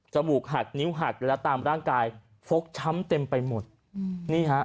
มูกหักนิ้วหักและตามร่างกายฟกช้ำเต็มไปหมดอืมนี่ฮะ